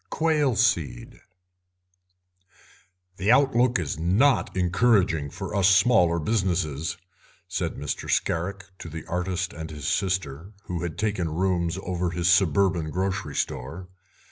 QUAIL SEED "The outlook is not encouraging for us smaller businesses," said Mr. Scarrick to the artist and his sister, who had taken rooms over his suburban grocery store.